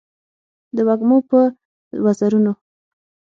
د وږمو په وزرونو